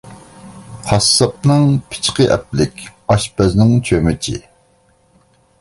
قاسساپنىڭ پىچىقى ئەپلىك، ئاشپەزنىڭ چۆمۈچى.